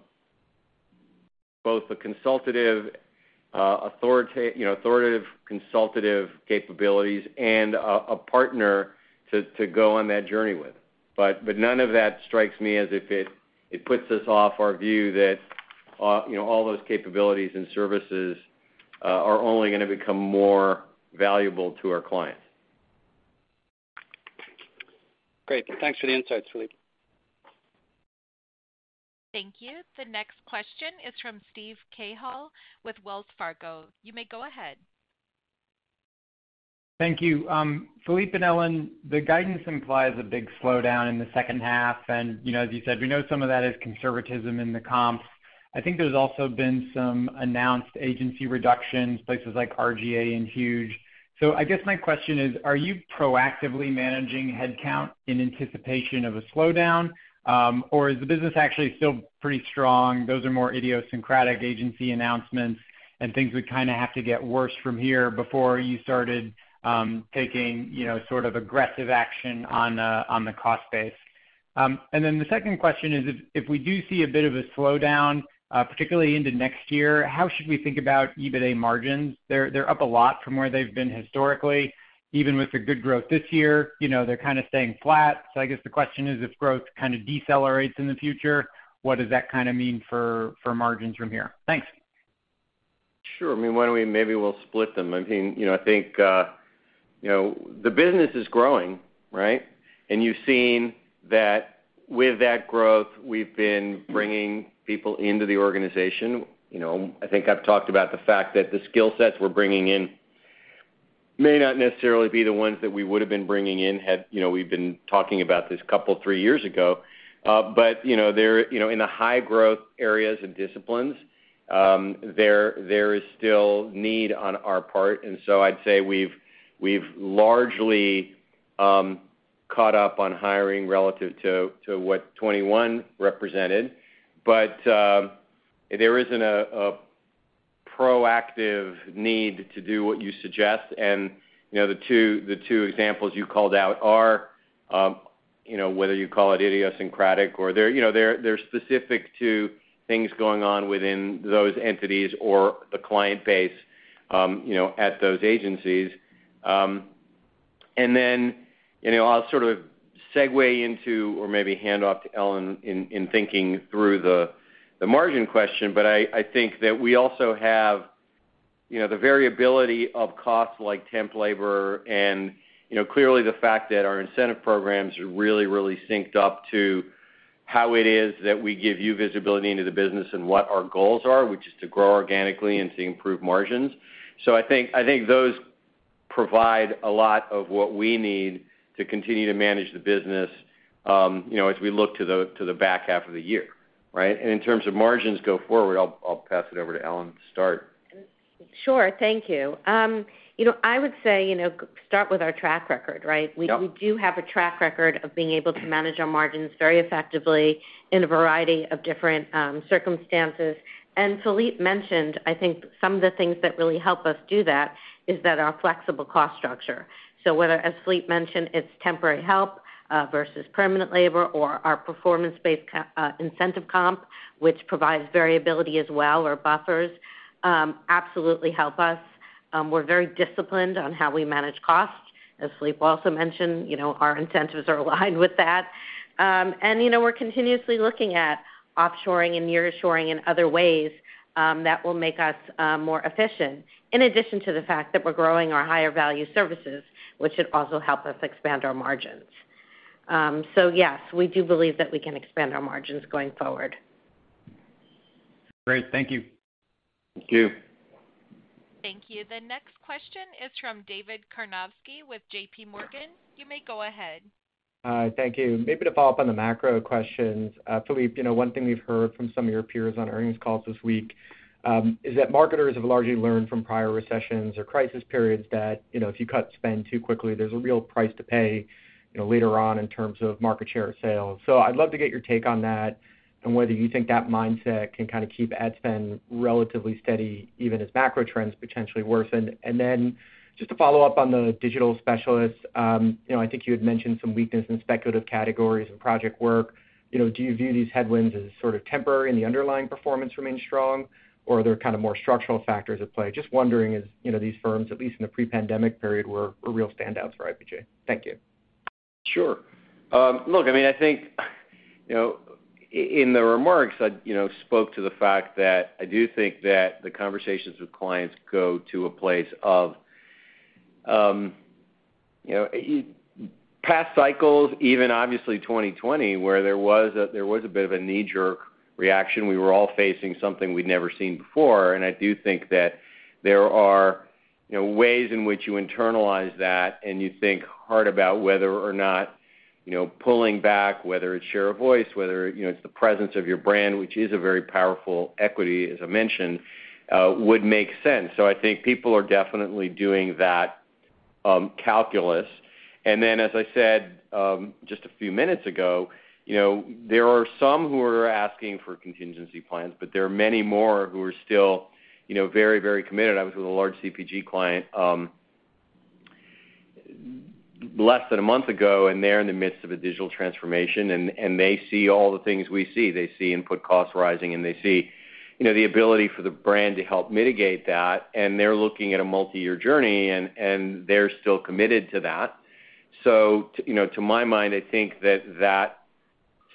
the consultative, authoritative consultative capabilities and a partner to go on that journey with. None of that strikes me as if it puts us off our view that, you know, all those capabilities and services are only gonna become more valuable to our clients. Great. Thanks for the insight, Philippe. Thank you. The next question is from Steven Cahall with Wells Fargo. You may go ahead. Thank you. Philippe and Ellen, the guidance implies a big slowdown in the H2. You know, as you said, we know some of that is conservatism in the comps. I think there's also been some announced agency reductions, places like R/GA and Huge. I guess my question is, are you proactively managing headcount in anticipation of a slowdown? Is the business actually still pretty strong, those are more idiosyncratic agency announcements, and things would kinda have to get worse from here before you started taking, you know, sort of aggressive action on the cost base? The second question is, if we do see a bit of a slowdown, particularly into next year, how should we think about EBITA margins? They're up a lot from where they've been historically, even with the good growth this year. You know, they're kind of staying flat. I guess the question is, if growth kind of decelerates in the future, what does that kinda mean for margins from here? Thanks. Sure. I mean, maybe we'll split them. I mean, you know, I think the business is growing, right? You've seen that with that growth, we've been bringing people into the organization. You know, I think I've talked about the fact that the skill sets we're bringing in may not necessarily be the ones that we would have been bringing in had we been talking about this couple three years ago. But you know, they're in the high growth areas and disciplines, there is still need on our part. I'd say we've largely caught up on hiring relative to what 2021 represented. But there isn't a proactive need to do what you suggest. You know, the two examples you called out are, you know, whether you call it idiosyncratic or they're specific to things going on within those entities or the client base, you know, at those agencies. You know, I'll sort of segue into or maybe hand off to Ellen in thinking through the margin question. I think that we also have, you know, the variability of costs like temp labor and, you know, clearly the fact that our incentive programs are really synced up to how it is that we give you visibility into the business and what our goals are, which is to grow organically and see improved margins. I think those provide a lot of what we need to continue to manage the business, you know, as we look to the back half of the year. Right? In terms of margins go forward, I'll pass it over to Ellen to start. Sure. Thank you. You know, I would say, you know, start with our track record, right? Yep. We do have a track record of being able to manage our margins very effectively in a variety of different circumstances. Philippe mentioned, I think some of the things that really help us do that is that our flexible cost structure. Whether, as Philippe mentioned, it's temporary help versus permanent labor or our performance-based incentive comp, which provides variability as well or buffers absolutely help us. We're very disciplined on how we manage costs. As Philippe also mentioned, you know, our incentives are aligned with that. You know, we're continuously looking at offshoring and nearshoring and other ways that will make us more efficient, in addition to the fact that we're growing our higher value services, which should also help us expand our margins. Yes, we do believe that we can expand our margins going forward. Great. Thank you. Thank you. Thank you. The next question is from David Karnovsky with JPMorgan. You may go ahead. Hi. Thank you. Maybe to follow up on the macro questions, Philippe, you know, one thing we've heard from some of your peers on earnings calls this week is that marketers have largely learned from prior recessions or crisis periods that, you know, if you cut spend too quickly, there's a real price to pay, you know, later on in terms of market share sales. I'd love to get your take on that and whether you think that mindset can kind of keep ad spend relatively steady even as macro trends potentially worsen. Just to follow up on the digital specialists, you know, I think you had mentioned some weakness in speculative categories and project work. You know, do you view these headwinds as sort of temporary and the underlying performance remains strong, or are there kind of more structural factors at play? Just wondering as, you know, these firms, at least in the pre-pandemic period, were real standouts for IPG. Thank you. Sure. Look, I mean, I think, you know, in the remarks, I, you know, spoke to the fact that I do think that the conversations with clients go to a place of, you know, past cycles, even obviously 2020, where there was a bit of a knee-jerk reaction, we were all facing something we'd never seen before. I do think that there are, you know, ways in which you internalize that and you think hard about whether or not, you know, pulling back, whether it's share of voice, whether, you know, it's the presence of your brand, which is a very powerful equity, as I mentioned, would make sense. I think people are definitely doing that, calculus. As I said, just a few minutes ago, you know, there are some who are asking for contingency plans, but there are many more who are still, you know, very, very committed. I was with a large CPG client, less than a month ago, and they're in the midst of a digital transformation, and they see all the things we see. They see input costs rising, and they see, you know, the ability for the brand to help mitigate that. They're looking at a multiyear journey, and they're still committed to that. So you know, to my mind, I think that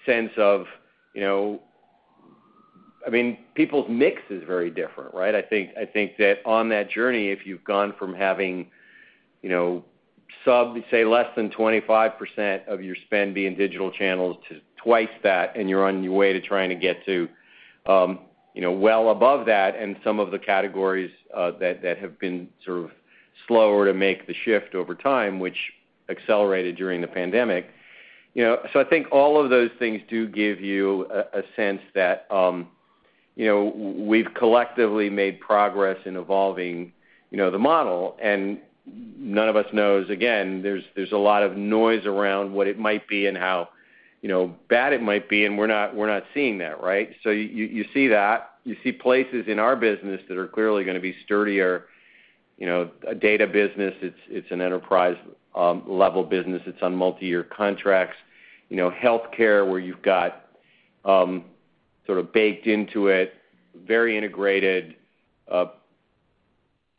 sense of, you know, I mean, people's mix is very different, right? I think that on that journey, if you've gone from having, you know, say, less than 25% of your spend being digital channels to twice that, and you're on your way to trying to get to, you know, well above that, and some of the categories that have been sort of slower to make the shift over time, which accelerated during the pandemic, you know. I think all of those things do give you a sense that, you know, we've collectively made progress in evolving, you know, the model. None of us knows, again, there's a lot of noise around what it might be and how, you know, bad it might be, and we're not seeing that, right? You see that. You see places in our business that are clearly gonna be sturdier. You know, a data business, it's an enterprise level business. It's on multiyear contracts. You know, healthcare, where you've got sort of baked into it, very integrated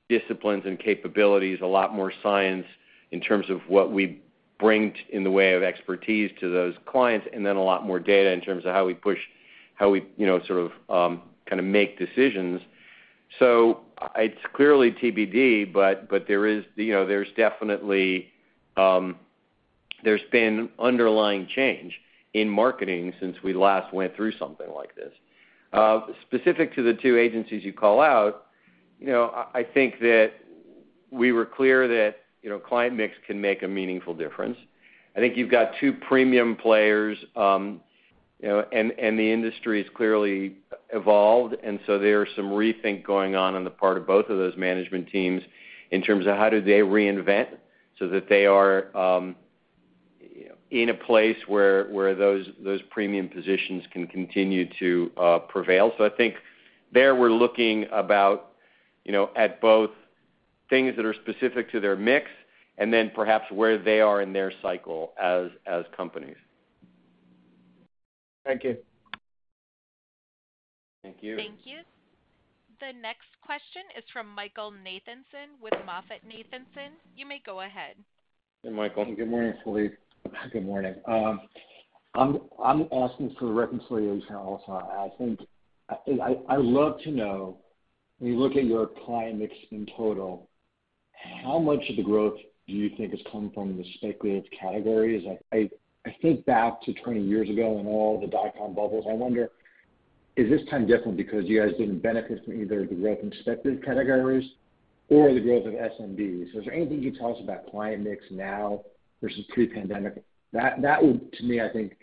disciplines and capabilities, a lot more science in terms of what we bring in the way of expertise to those clients, and then a lot more data in terms of how we push, how we, you know, sort of kinda make decisions. It's clearly TBD, but there is, you know, there's definitely there's been underlying change in marketing since we last went through something like this. Specific to the two agencies you call out, you know, I think that we were clear that, you know, client mix can make a meaningful difference. I think you've got two premium players, you know, and the industry's clearly evolved, and so there's some rethink going on the part of both of those management teams in terms of how do they reinvent so that they are in a place where those premium positions can continue to prevail. I think we're looking at both things that are specific to their mix and then perhaps where they are in their cycle as companies. Thank you. Thank you. Thank you. The next question is from Michael Nathanson with MoffettNathanson. You may go ahead. Hey, Michael. Good morning, Philippe. Good morning. I'm asking for reconciliation also. I think I love to know, when you look at your client mix in total, how much of the growth do you think has come from the speculative categories? I think back to 20 years ago and all the dot-com bubbles. I wonder, is this time different because you guys didn't benefit from either the growth in speculative categories or the growth of SMBs? Is there anything you can tell us about client mix now versus pre-pandemic? That would, to me, I think,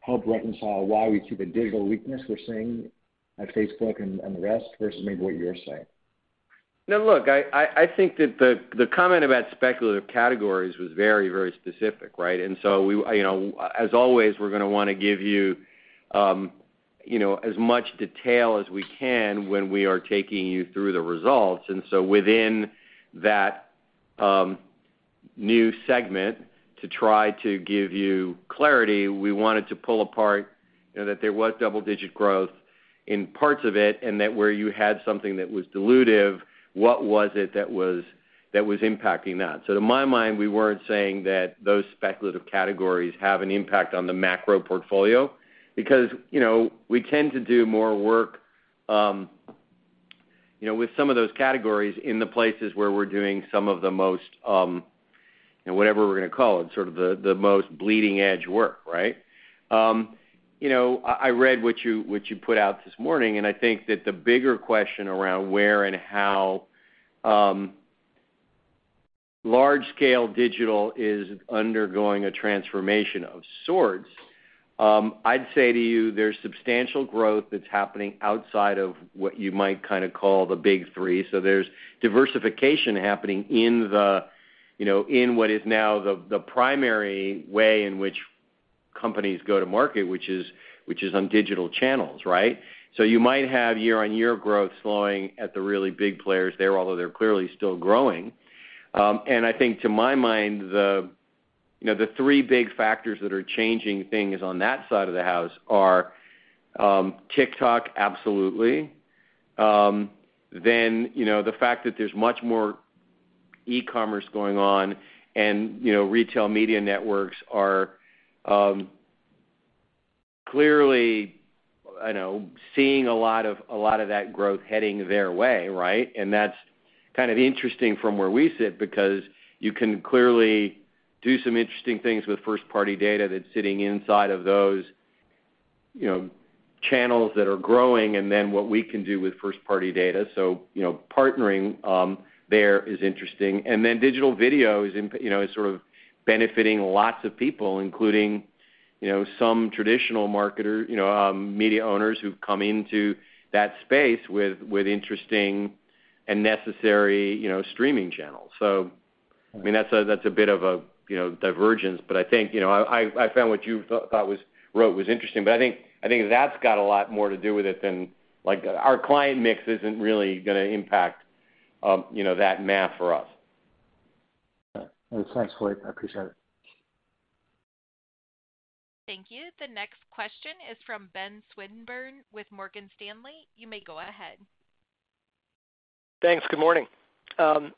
help reconcile why we see the digital weakness we're seeing at Facebook and the rest versus maybe what you're seeing. No, look, I think that the comment about speculative categories was very specific, right? We, you know, as always, we're gonna wanna give you know, as much detail as we can when we are taking you through the results. Within that, new segment, to try to give you clarity, we wanted to pull apart, you know, that there was double-digit growth in parts of it, and that where you had something that was dilutive, what was it that was impacting that? To my mind, we weren't saying that those speculative categories have an impact on the macro portfolio because, you know, we tend to do more work, you know, with some of those categories in the places where we're doing some of the most, you know, whatever we're gonna call it, sort of the most bleeding edge work, right? You know, I read what you put out this morning, and I think that the bigger question around where and how, large-scale digital is undergoing a transformation of sorts. I'd say to you there's substantial growth that's happening outside of what you might kinda call the big three. There's diversification happening in the, you know, in what is now the primary way in which companies go to market, which is on digital channels, right? You might have year-on-year growth slowing at the really big players there, although they're clearly still growing. I think to my mind, you know, the three big factors that are changing things on that side of the house are TikTok, absolutely. You know, the fact that there's much more e-commerce going on and, you know, retail media networks are clearly, you know, seeing a lot of that growth heading their way, right? That's kind of interesting from where we sit because you can clearly do some interesting things with first-party data that's sitting inside of those, you know, channels that are growing and then what we can do with first-party data. You know, partnering there is interesting. Digital video is sort of benefiting lots of people, including some traditional marketer media owners who've come into that space with interesting and necessary streaming channels. I mean, that's a bit of a divergence. But I think I found what you wrote was interesting, but I think that's got a lot more to do with it than. Like, our client mix isn't really gonna impact that math for us. All right. Thanks, Philippe. I appreciate it. Thank you. The next question is from Benjamin Swinburne with Morgan Stanley. You may go ahead. Thanks. Good morning. Ben.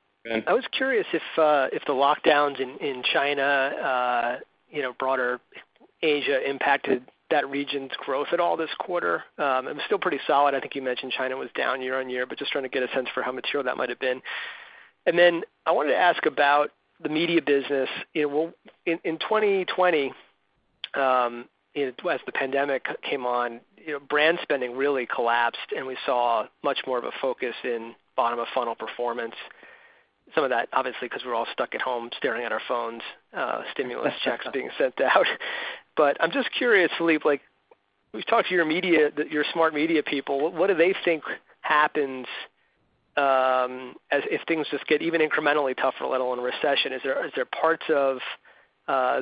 I was curious if the lockdowns in China, you know, broader Asia impacted that region's growth at all this quarter. It was still pretty solid. I think you mentioned China was down year-on-year, but just trying to get a sense for how material that might have been. Then I wanted to ask about the media business. You know, in 2020, you know, as the pandemic came on, you know, brand spending really collapsed, and we saw much more of a focus in bottom-of-funnel performance. Some of that, obviously, because we're all stuck at home staring at our phones, stimulus checks being sent out. I'm just curious, Philippe, like, we've talked to your media, your smart media people, what do they think happens, as if things just get even incrementally tougher, let alone recession? Is there parts of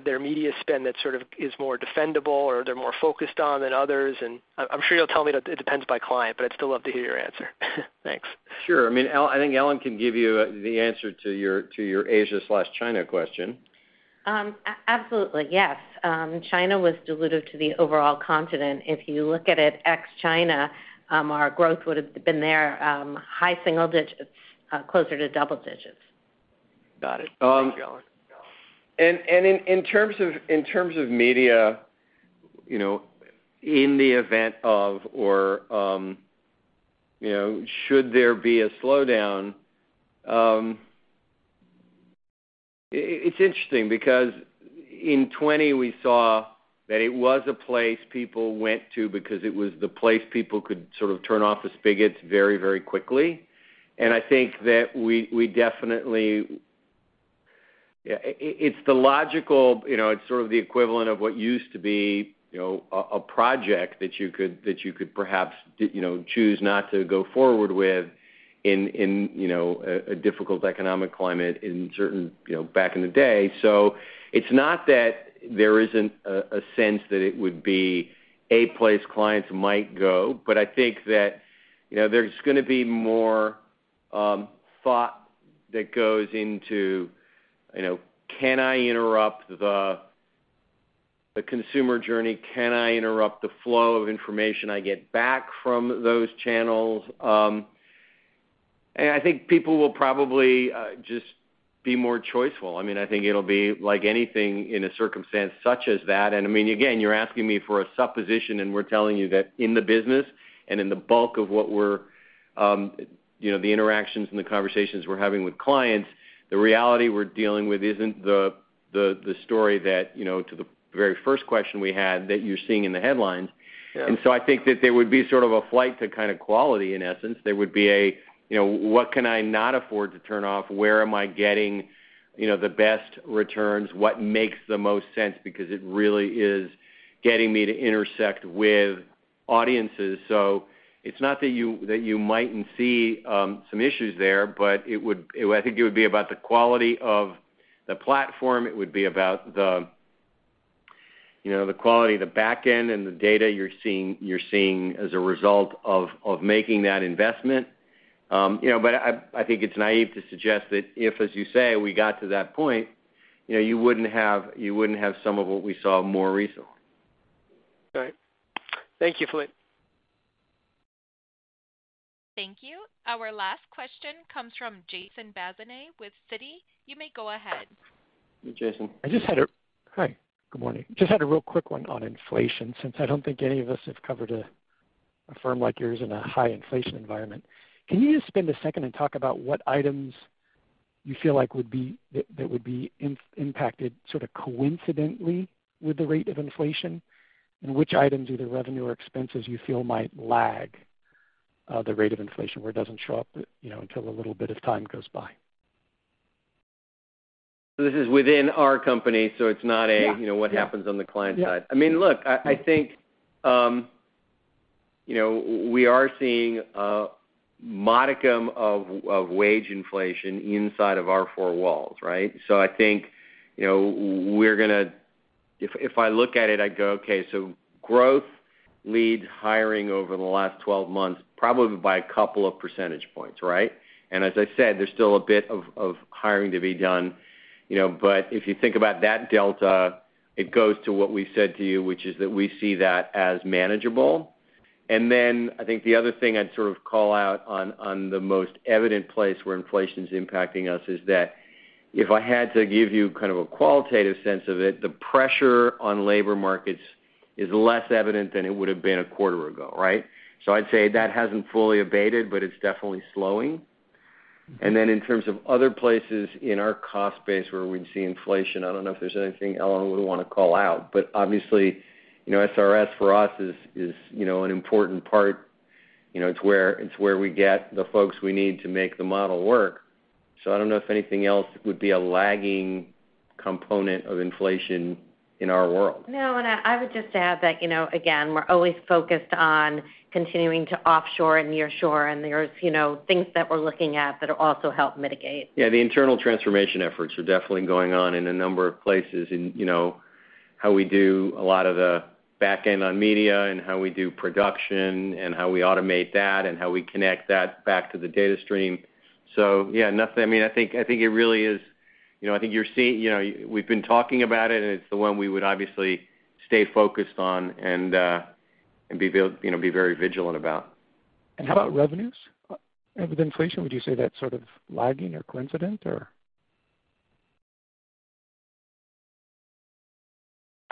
their media spend that sort of is more defendable or they're more focused on than others? I'm sure you'll tell me that it depends by client, but I'd still love to hear your answer. Thanks. Sure. I mean, Ellen can give you the answer to your Asia/China question. Absolutely, yes. China was dilutive to the overall continent. If you look at it ex-China, our growth would have been there, high single digits%, closer to double digits%. Got it. Thanks, Ellen. In terms of media, you know, in the event of, or, you know, should there be a slowdown, it's interesting because in 2020 we saw that it was a place people went to because it was the place people could sort of turn off the spigots very quickly. I think that we definitely. It's the logical, you know, it's sort of the equivalent of what used to be, you know, a project that you could perhaps, you know, choose not to go forward with in a difficult economic climate in certain, you know, back in the day. It's not that there isn't a sense that it would be a place clients might go, but I think that, you know, there's gonna be more thought that goes into, you know, can I interrupt the consumer journey? Can I interrupt the flow of information I get back from those channels? And I think people will probably just be more choiceful. I mean, I think it'll be like anything in a circumstance such as that. And I mean, again, you're asking me for a supposition, and we're telling you that in the business and in the bulk of what we're, you know, the interactions and the conversations we're having with clients, the reality we're dealing with isn't the story that, you know, to the very first question we had that you're seeing in the headlines. Yeah. I think that there would be sort of a flight to kind of quality, in essence. There would be, you know, what can I not afford to turn off? Where am I getting, you know, the best returns? What makes the most sense because it really is getting me to intersect with audiences? It's not that you mightn't see some issues there, but it would, I think it would be about the quality of the platform. It would be about the, you know, the quality of the back end and the data you're seeing as a result of making that investment. But I think it's naive to suggest that if, as you say, we got to that point, you know, you wouldn't have some of what we saw more recently. All right. Thank you, Philippe. Thank you. Our last question comes from Jason Bazinet with Citi. You may go ahead. Hey, Jason. Hi, good morning. Just had a real quick one on inflation, since I don't think any of us have covered a firm like yours in a high inflation environment. Can you just spend a second and talk about what items you feel like would be impacted sort of coincidentally with the rate of inflation, and which items, either revenue or expenses, you feel might lag the rate of inflation, where it doesn't show up until a little bit of time goes by? This is within our company, so it's not a- Yeah, yeah. You know, what happens on the client side. Yeah. I mean, look, I think you know we are seeing a modicum of wage inflation inside of our four walls, right? I think, you know, if I look at it, I'd go, okay, so growth leads hiring over the last 12 months probably by a couple of percentage points, right? As I said, there's still a bit of hiring to be done, you know. If you think about that delta, it goes to what we said to you, which is that we see that as manageable. Then I think the other thing I'd sort of call out on the most evident place where inflation's impacting us is that if I had to give you kind of a qualitative sense of it, the pressure on labor markets is less evident than it would've been a quarter ago, right? I'd say that hasn't fully abated, but it's definitely slowing. Then in terms of other places in our cost base where we'd see inflation, I don't know if there's anything Ellen would wanna call out, but obviously, you know, S&RS for us is, you know, an important part. You know, it's where we get the folks we need to make the model work. I don't know if anything else would be a lagging component of inflation in our world. No, I would just add that, you know, again, we're always focused on continuing to offshore and near shore, and there's, you know, things that we're looking at that'll also help mitigate. Yeah, the internal transformation efforts are definitely going on in a number of places in, you know, how we do a lot of the back end on media and how we do production and how we automate that and how we connect that back to the data stream. Yeah, nothing, I mean, I think it really is, you know, I think you're seeing, you know, we've been talking about it, and it's the one we would obviously stay focused on and be very vigilant about. How about revenues? With inflation, would you say that's sort of lagging or coincident or?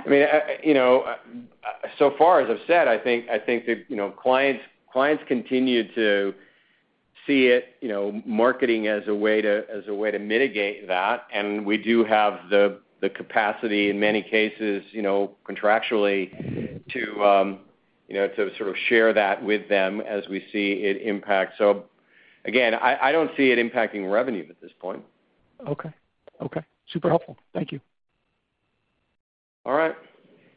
I mean, you know, so far, as I've said, I think that, you know, clients continue to see it, you know, marketing as a way to mitigate that. We do have the capacity in many cases, you know, contractually to, you know, to sort of share that with them as we see it impact. Again, I don't see it impacting revenue at this point. Okay. Super helpful. Thank you. All right.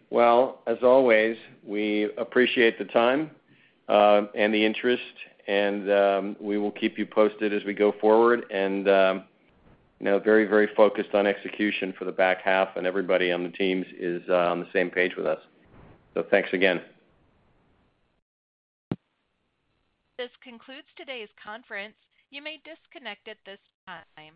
Well, as always, we appreciate the time, and the interest, and we will keep you posted as we go forward. You know, very, very focused on execution for the back half, and everybody on the teams is on the same page with us. Thanks again. This concludes today's conference. You may disconnect at this time.